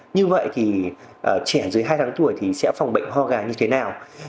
như vậy trẻ dưới hai tháng tuổi sẽ phòng bệnh ho gà như thế nào